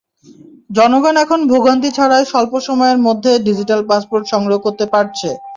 জনগণ এখন ভোগান্তি ছাড়াই স্বল্প সময়ের মধ্যে ডিজিটাল পাসপোর্ট সংগ্রহ করতে পারছে।